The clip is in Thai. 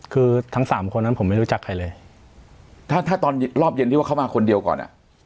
คือทั้งสามคนนั้นผมไม่รู้จักใครเลยถ้าถ้าตอนรอบเย็นที่ว่าเขามาคนเดียวก่อนอ่ะ